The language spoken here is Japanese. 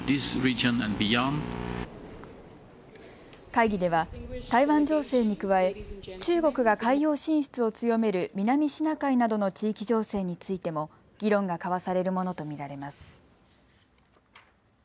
会議では台湾情勢に加え中国が海洋進出を強める南シナ海などの地域情勢についても議論が交わされるものと見られます。